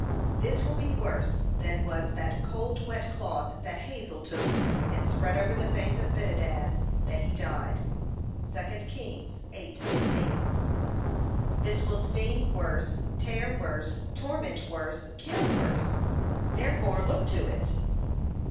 This will be worse than was that cold wet cloth that Hazael took and spread over the face of Benhadad, that he died. (2 Kings 8:15) This will sting worse, tear worse, torment worse, kill worse. Therefore look to it!